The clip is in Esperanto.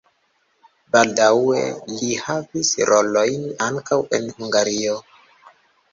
Baldaŭe li havis rolojn ankaŭ en Hungario.